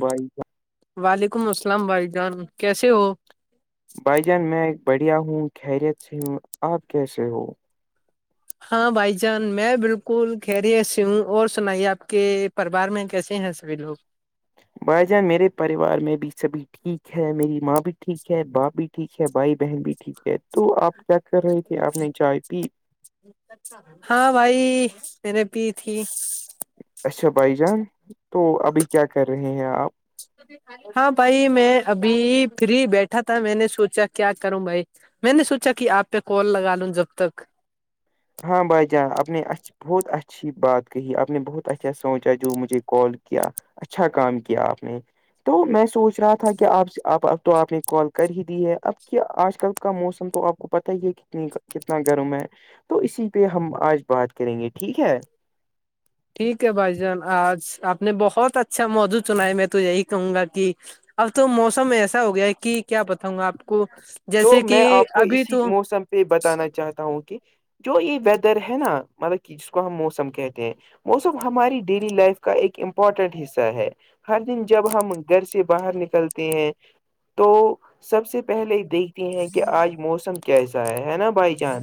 بھائی وعلیکم السلام بھائی جان کیسے ہو بھائی جان میں بڑھیا ہوں خیریت سے ہوں آپ کیسے ہو ہاں بھائی جان میں بالکل خیریت سے ہوں اور سنائیے آپ کے پریوار میں کیسے یہح سب بھی لوگ بھائی جان میرے پریوار میں بھی سبھی ٹھیک ہے میری ماں بھی ٹھیک ہے باپ بھی ٹھیک ہے بھائی بہن بھی ٹھیک ہے تو آپ چیک کر رہی تھی اپنی چائے پی ہاں بھائی میں نے پی تھی اچھا بھائی جان تو ابھی کیا کر رہے ہیں آپ ہاں بھائی میں ابھی فری بیٹھا تھا میں نے سوچا کیا کروں بھائی میں نے سوچا کہ آپ پہ کال لگا لوں جب تک ہاں بھائی جان آپ نے اج بہت اچھی بات کہی آپ نے بہت اچھا سوچا جو مجھے کال کیا اچھا کام کیا آپ نے تو میں سوچ رہا تھا کہ آپ سے اب تو آپ نے کال کر ہی دی ہے اب کہ آج کل کا موسم تو آپ کو پتا ہی ہے کتنی کتنا گرم ہے تو اسی پہ ہم آج بات کریں گے ٹھیک ہے ٹھیک ہے بھائی جان آج آپ نے بہت اچھا موضوع چنا ہے میں تو یہی کہوں گا کہ اب تو موسم ایسا ہو گیا ہے کہ کیا بتاؤں گا آپ کو تو جیسے کہ میں آپ کو ابھی اسی تو موسم پہ بتانا چاہتا ہوں کہ جو یہ ویدر ہے نا مطلب کہ جس کو ہم موسم کہتے ہیں موسم ہماری ڈیلی لائف کا ایک امپورٹنٹ حصہ ہے ہر دن جب ہم گھر سے باہر نکلتے ہیں تو سب سے پہلے دیکھ تے ہیں کہ آج موسم کیسا ہے ہے نا بھائی جان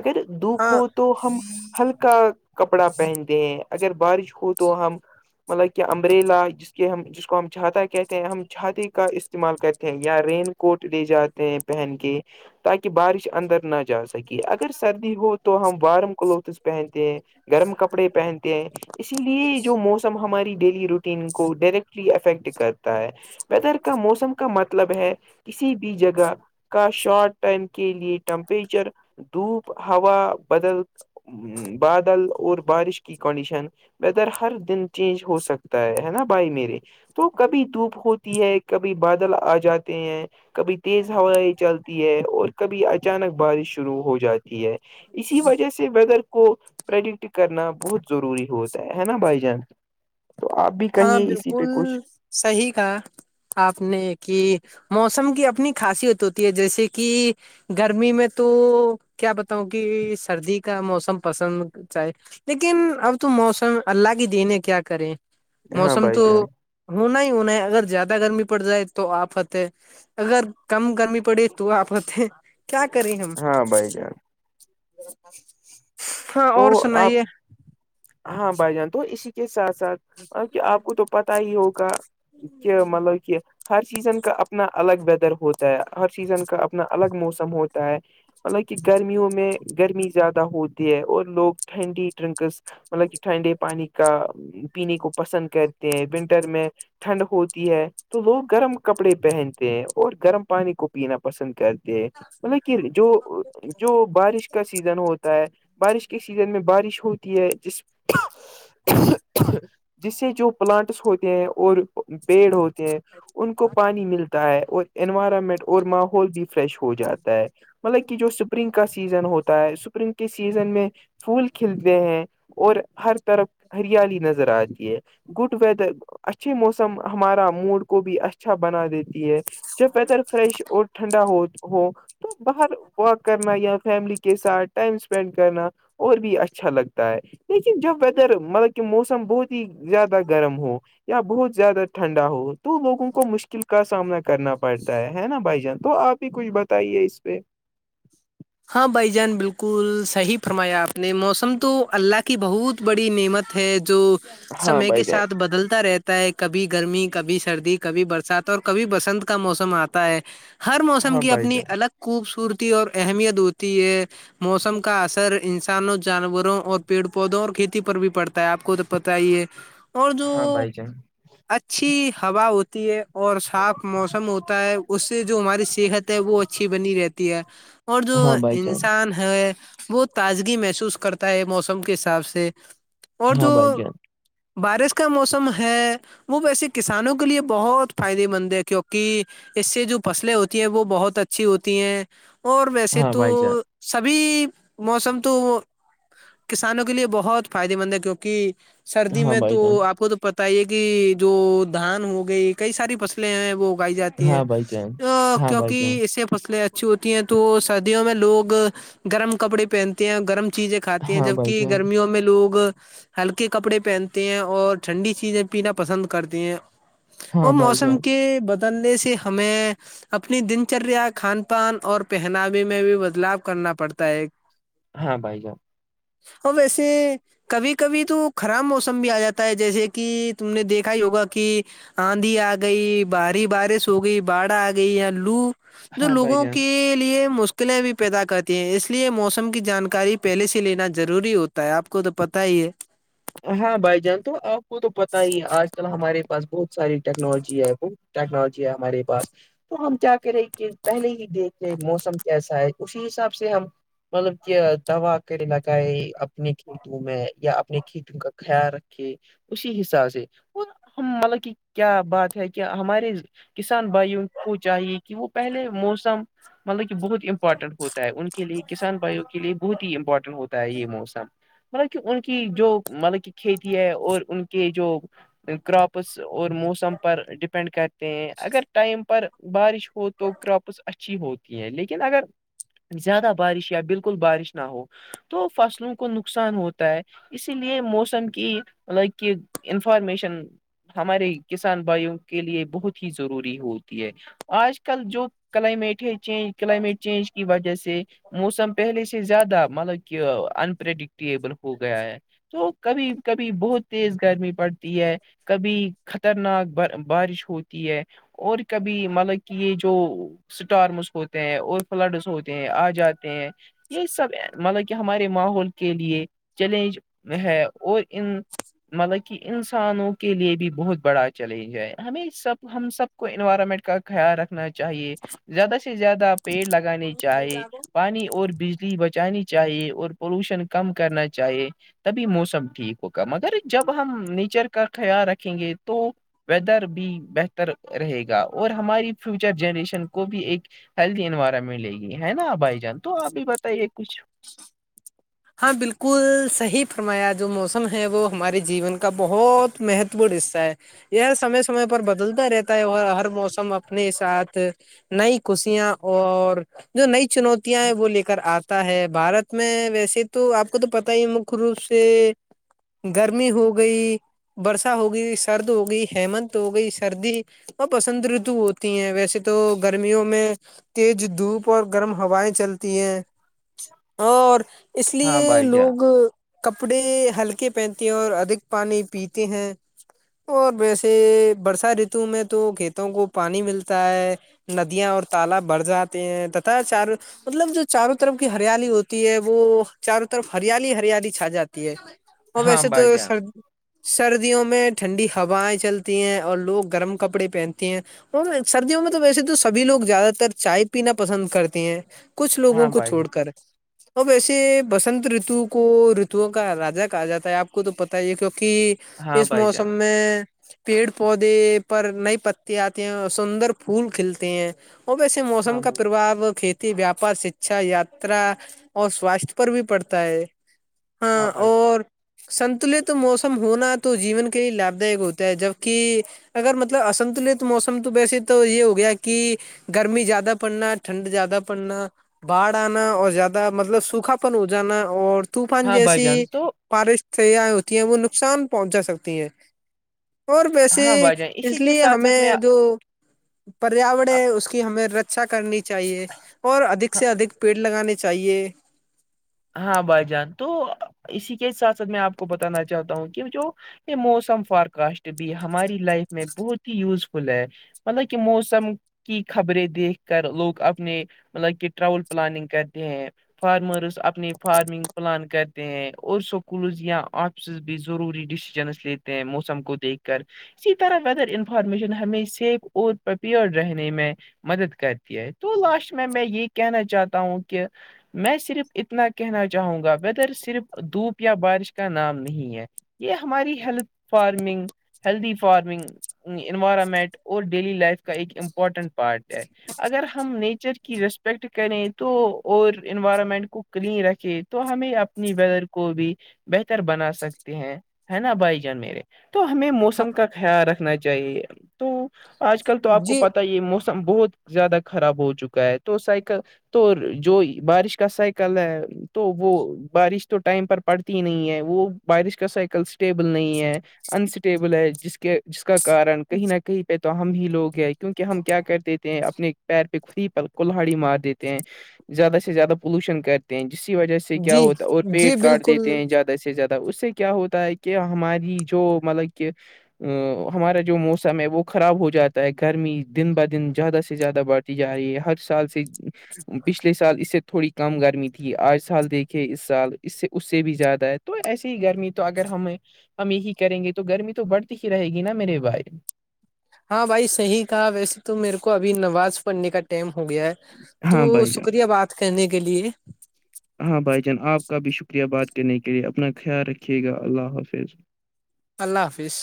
اگر دھوپ ہاں ہو تو ہم ہلکا کا کپڑا پہنتے ہیں اگر بارش ہو تو ہم مطلب کہ امبریلا جس کے ہم جس کو ہم چھاتا کہتے ہیں ہم چھاتے کا استعمال کرتے ہیں یا رین کوٹ لے جا تے پہن کے تاکہ بارش اندر نہ جا سکے اگر سردی ہو تو ہم وارم کلوتھس پہنتے ہیں گرم کپڑے پہنتے ہیں اسی لیے جو موسم ہماری ڈیلی روٹین کو ڈائریکٹلی افیکٹ کرتا ہے ویدر کا موسم کا مطلب ہے کسی بھی جگہ کا شارٹ ٹائم کے لیے ٹیمپریچر دھوپ ہوا بدل بادل اور بارش کی کنڈیشن ویدر ہر دن چینج ہو سکتا ہے ہے نا بھائی میرے تو کبھی دھوپ ہوتی ہے کبھی بادل آ جاتے ہیں کبھی تیز ہوائیں چلتی ہے اور کبھی اچانک بارش شروع ہو جاتی ہے اسی وجہ سے ویدر کو پرڈکٹ کرنا بہت ضروری ہوتا ہے ہے نا بھائی جان تو آپ بھی ہاں کہیے اسی پہ بالکل کچھ صحیح کہا آپ نے کہ موسم کی اپنی خاصیت ہوتی ہے جیسے کہ گرمی میں تو کیا بتاؤں کہ سردی کا موسم پسند چائے لیکن اب تو موسم اللہ کی دین ہے کیا کریں ہاں موسم بھائی تو جان ہونا ہی ہونا ہے اگر زیادہ گرمی پڑ جائے تو آپ فتے اگر کم گرمی پڑے تو آپ ہوتے کیا کریں ہم ہاں بھائی جان ہاں تو اور آپ سنائیے ہاں بھائی جان تو اسی کے ساتھ ساتھ ا کہ آپ کو تو پتا ہی ہوگا کہ مطلب کہ ہر سیزن کا اپنا الگ ویدر ہوتا ہے ہر سیزن کا اپنا الگ موسم ہوتا ہے مطلب کہ گرمیوں میں گرمی زیادہ ہوتی ہے اور لوگ ٹھنڈی ڈرنکس مطلب ٹھنڈے پانی کا پینے کو پسند کرتے ہیں ونٹر میں ٹھنڈ ہوتی ہے تو لوگ گرم کپڑے پہنتے ہیں اور گرم پانی کو پینا پسند کرتے ہیں مطلب کہ جو جو بارش کا سیزن ہوتا ہے بارش کے سیزن میں بارش ہوتی ہے جس جس سے جو پلانٹس ہوتے ہیں اور پیڑ ہوتے ہیں ان کو پانی ملتا ہے اور انوائرمنٹ اور ماحول بھی فریش ہو جاتا ہے مطلب کہ جو سپرنگ کا سیزن ہوتا ہے اسپرنگ کے سی سیزن میں پھول کھلتے ہیں اور ہر طرف ہریالی نظر آتی ہے گڈ ویدر اچھے موسم ہمارا موڈ کو بھی اچھا بنا دیتی ہے جب ویدر فریش اور ٹھنڈا ہو ہو تو باہر ورک کرنا یا فیملی کے ساتھ ٹائم اسپینڈ کرنا اور بھی اچھا لگتا ہے لیکن جب ویدر مطلب کہ موسم بہت ہی زیادہ گرم ہو یا بہت زیادہ ٹھنڈا ہو تو لوگوں کو مشکل کا سامنا کرنا پڑتا ہے نا بھائی جان تو آپ بھی کچھ بتائیے اس پہ ہاں بھائی جان بلکل صحیح فرمایا آپ نے موسم تو اللہ کی بہت بڑی نعمت ہے جو ہاں سمے کے بھائی جان ساتھ بدلتا رہتا تا ہے کبھی گرمی کبھی سردی کبھی برسات اور کبھی بسنت کا موسم آتا ہے ہر موسم ہاں کی بھائی اپنی جان الگ خوبصورتی اور اہمیت ہوتی ہے موسم کا اثر انسانوں جانوروں اور پیڑ پودوں اور کھیتی پر بھی پڑتا آپ کو تو پا ہی ہے اور جو ہاں بھائی جان اچھی ہوا ہوتی تی ہے اور صاف موسم ہوتا ہے اس سے جو ہماری صحت ہے وہ اچھی بنی رہتی ہے اور جو ہاں بھائی جان انسان ہے وہ تازگی محسوس کرتا ہے موسم کے حساب سے اور جو ہاں بھائی جان بارش کا موسم ہے وہ ویسے کسانوں کے لیے بہت فائدے مند ہے کیونکہ اس سے جو فصلیں ہوتی ہیں وہ بہت اچھی ہوتی ہیں اور ویسے ہاں تو سبھی موسم تو کسانوں کے لیے بہت فائدے مند ہے کیونکہ سردی میں بھائی تو جان آپ کو تو پتہ ہی ہے کہ جو دھان ہو گئی کئی ساری فصلیں ہیں وہ پای جاتی ہیں ہاں بھائی جان ہاں بھائی جان کیونکہ اسے فصلیں اچھی ہوتی ہیں تو سردیوں میں لوگ گرم کپڑے پہنتے ہیں اور گرم چیزیں کھاتے ہیں ہاں جبک بھائی جان گرمیوں میں لوگ ہلکے کپڑے پہنتے ہیں اور ٹھنڈی چیزیں پینا پسند کرتے ہیں وہ ہاں بھائی موسم جان کے بدلنے سے ہمیں اپنی دن چریا کھان پان اور پہناوا میں بھی بدلاؤ کرنا پڑتا ہے ایک ہاں بھائی جان ہاں ویسے کبھی کبھی تو خراب موسم بھی آ جاتا ہے جیسے کہ تم نے دیکھا ہی ہوگا کہ آندھی آ گئی بھاری بارش ہو گئی باڑھ آ گئی یا لو جو ہاں بھائی لوگوں جان کے لیے مشکلیں بھی پیدا کرتی ہیں اس لیے موسم کی جانکاری پہلے سے لینا ضروری ہوتا ہے آپ کو تو پتا ہی ہے ہاں بھائی جان تو آپ کو تو پتا ہی ہے آج کل ہمارے پاس بہت ساری ٹیکنالوجی ہے اب ٹیکنالوجی ہے ہمارے پاس تو ہم کیا کرے کہ پہلے ہی دیکھ لے موسم کیسا ہے اسی حساب سے ہم مطلب کہ دوا پھر لگای اپنے کھیتوں میں یا اپنی کھت کا خیال رکھے اسی حساب سے وہ ہم مطلب کہ کیا بات ہے کہ ہمارے کسان بھائیوں کو چاہیے کہ وہ پہلے موسم مطلب کہ بہت امپارٹنٹ ہوتا ہے ان کے لیے کسان بھائیوں کے لیے بہت ہی امپورٹنٹ ہوتا ہے یہ موسم مطلب کہ ان کی جو مطلب کہ کھیتی ہے اور ان کے جو کراپس اور موسم پر ڈپینڈ کرتے ہیں اگر ٹائم پر بارش ہو تو کراپس اچھی ہوتی ہیں لیکن اگر زیادہ بارش یا بالکل بارش نہ ہو تو فصلوں کو نقصان ہوتا ہے اس اسی لیے موسم کی لیکن انفارمیشن ہمارے کسان بھائیوں کے لیے بہت ہی ضروری ہوتی ہے آج کل جو کلائمیٹ ہے چینج کلائمیٹ چینج کی وجہ سے موسم پہلے سے زیادہ مطلب کہ انپریڈکٹیبل ہو گیا ہے تو کبھی کبھی بہت تیز گرمی پڑتی ہے کبھی خطرناک با بارش ہوتی ہے اور کبھی مطلب کہ یہ جو اسٹارمس ہوتے ہیں اور فلڈس ہوتے ہیں آ جاتے ہیں یہ سب مطلب کہ ہمارے ماحول کے لیے چیلنج ہے اور ان مطلب کہ انسانوں کے لیے بھی بہت بڑا چیلنج ہے ہمیں سب ہم سب کو انوائرمنٹ کا خیال رکھ چاہیے زیادہ سے زیادہ پیڑ لگانے چاہے پانی اور بجلی بچانی چاہیے اور پولوشن کم کرنا چاہیے تبھی موسم ٹھیک ہوگا مگر جب ہم نیچر کا خیال رکھیں گے تو ویدر بھی بہتر رہے گا اور ہماری فیوچر جنریشن کو بھی ایک ہیلدی انورا ملے گی ہے نا بھائی جان تو آپ بھی بتائیے کچھ ہاں بالکل صحیح فرمایا جو موسم ہے وہ ہمارے جیون کا بہت مہتوپورن حصہ ہے یار سمے سمے پر بدلتا رہتا ہے ہر موسم اپنے ساتھ نئی خوشیاں اور جو نئی چنوتیاں ہیں وہ لے کر آتا ہے بھارت میں ویسے تو تو آپ کو تو پتہ ہی مک روپ سے گرمی ہو گئی برسا ہوگئی سرد ہو گئی ہیمنت ہو گئی سردی ہو پسنت رتو ہوتی ہیں ویسے تو گرمیوں میں تیج دھوپ اور گرم ہوائیں چلتی ہیں اور اس ہاں لیے بھائی جان لوگ کپڑے ہلکے پہنتے ہیں اور ادھک پانی پیتے ہیں اور ویسے برسا ریتو میں تو کھیتوں کو پانی ملتا ہے ندیاں اور تالاب بڑھ جاتے ہیں تتا چار مطلب جو چاروں طرف کی ہریالی ہوتی ہے وہ چاروں طرف ہریالی ہریالی چھا جاتی ہے اور ہاں ویسے بھائی تو جان سرد سردیوں میں ٹھنڈی ہوائیں چلتی ہیں اور لوگ گرم کپڑے پہنتے ہیں اور سردیوں میں تو ویسے تو سبھی لوگ زیادہ تر چائے پینا پسند کرتے ہیں کچھ ہاں لوگوں کو بھائی چھوڑ جان کر اور ویسے بسنت رتو کو رتوؤں کا راجا کہا جاتا ہے آپ کو تو پتہ ہی ہے کیونکی ہاں اس بھائی جان موسم میں پیڑ پودے پر نئے پتے آتے ہیں اور سندر پھول کھلتے ہیں اور ویسے ہاں موسم کا بھائی، پرباؤ کھیتی ویاپار شکچھا یاترا اور سواستھ پر بھی پڑتا ہے ہاں بھائی جان اور سنتلت موسم ہونا تو جیون کے لیے لاب دائک ہوتا ہے جب کی اگر مطلب آسنتلت موسم تو ویسے تو یے ہو گیا کی گرمی زیادہ پڑنا ٹھنڈ زیادہ پڑنا باڑھ آنا اور زیادہ مطلب سوکھا پن ہو جانا اور طوفان ہاں بھائی جیسی جان تو بارش سیا ہوتی ہیں وہ نقصان پہنچا سکتی ہیں اور ویسے ہاں بھائی جان اسی اس کے لیے ساتھ ساتھ میں ہمیں جو پریاور ہے اس کی ہمیں رکچا کرنی چاہیے اور ادھک سے ادھک پیٹ لگانے چاہیے ہاں بھائی جان تو اسی کے ساتھ ساتھ میں آپ کو بتانا چاہتا ہوں کہ جو یہ موسم فارکسٹ بھی ہماری لائف میں بہت ہی یوزفل ہے مطلب کی موسم کی خبریں دیکھ کر لوگ اپنے مطلب کی ٹرول پلاننگ کرتے ہیں فارمروس اپنی فارمنگ پلان کرتے ہیں اور سکولز یا آفسز بھی ضروری ڈسیجنس لیتے تے ہیں موسم کو دیکھ کر اسی طرح ویدر انفارمیشن ہمیں سیف اور پپیور رہنے میں مدد کرتی ہے تو لاش میں میں یے کہنا چاہتا ہوں کی میں صرف اتنا کہنا چاہوں گا ویدر صرف دھوپ یا بارش کا نام نہیں ہے یے ہماری health farming healthy farming environment اور ڈیلی لائف کا ایک امپورٹنٹ پارٹ ہے اگر ہم نیچر کی ریسپیکٹ کریں تو اور انوائرمنٹ کو کلین رکھے تو ہمیں اپنی ویدر کو بھی بہتر بنا سکتے ہیں ہے نا بھائی جان میرے تو ہمیں ہاں موسم کا خیال رکھنا چاہیے تو آج کل تو آپ کو جی پتا ہی ہے موس سم بہت زیادہ خراب ہو چکا ہے تو سائیکا تو جو بارش کا سائیک کل ہے تو وہ بارش تو ٹائم پر پڑتی ہی نہیں ہے وہ بارش کا سائیکل اسٹیبل نہیں ہے انسٹیبل ہے جس کے جس کا کارن کہیں نہ کہیں پے تو ہم ہی لوگ ہیں کیونکہ ہم کیا کرتے دے تے ہے اپنے پیر پے خود ہی پل کولہڑی مار دیتے ہیں زیادہ سے زیادہ پولوشن کرتے ہیں جسسی وجہ سے کیا جی ہوتا ہے اور پیڑ جی کاٹ بالکل دیتے ہیں جیات ویسے زیادہ اس سے کیا ہوتا ہے کی ہماری جو مطلب کہ آ ہمارا جو موسم ہے وہ خراب ہو جاتا ہے گرمی دن با دن زیادہ سے زیادہ بڑھ تی جا رہی ہے ہر سال سے پچھلے سال اس سے تھوڑی کم گر می تھی آج سال دیکھے اس سال اس سے اس سے بھی زیادہ ہے تو ایسے ہی گرمی تو اگر ہمے ہم یہی کریں گے تو گرمی تو بڑھتی ہی رہے گی نا میرے بھائی ہاں بھائی صحیح کہا ویسے تو میرے کو ابھی نواز پڑھنے کا ٹائم ہو گیا ہے تو ہاں بھائی جان سکریہ بات کرنے کے لیے ہاں بھائی جان آپ کا بھی شکریہ بات کرنے کے لیے اپنا خیال رکھیے گا اللہ حافظ اللہ حافظ